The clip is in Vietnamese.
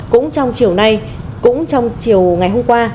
cũng trong chiều nay cũng trong chiều ngày hôm qua